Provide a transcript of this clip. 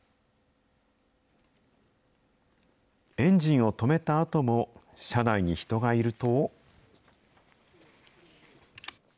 エンジンを止めたあとも、車内に人がいると。